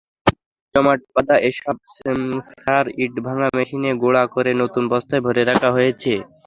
জমাটবাঁধা এসব সার ইটভাঙা মেশিনে গুঁড়া করে নতুন বস্তায় ভরে রাখা হয়েছে।